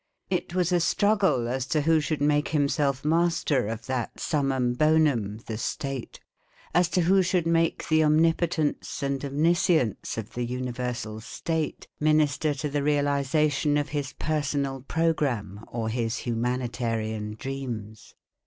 It was a struggle as to who should make himself master of that summum bonum, the State; as to who should make the omnipotence and omniscience of the Universal State minister to the realisation of his personal programme or his humanitarian dreams.